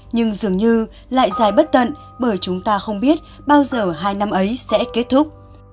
nhưng dường như lại dài bất tận bởi chúng ta không biết bao giờ hai năm ấy sẽ kết thúc